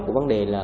của vấn đề là